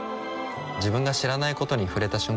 自分が知らないことに触れた瞬間